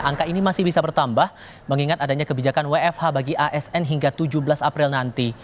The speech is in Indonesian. angka ini masih bisa bertambah mengingat adanya kebijakan wfh bagi asn hingga tujuh belas april nanti